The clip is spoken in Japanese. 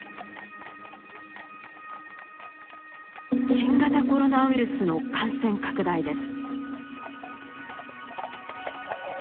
新型コロナウイルスの感染拡大です。